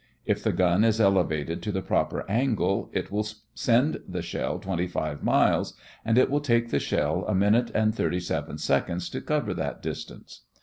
If the gun is elevated to the proper angle, it will send the shell 25 miles, and it will take the shell a minute and thirty seven seconds to cover that distance.